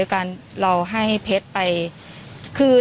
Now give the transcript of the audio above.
หลากหลายรอดอย่างเดียว